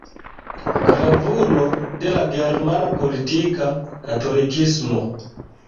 Gravulo de la germana politika katolikismo.